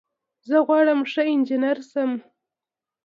زه غواړم ښه انجنیر شم.